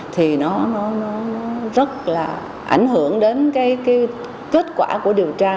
thì nó rất là ảnh hưởng đến cái kết quả của điều tra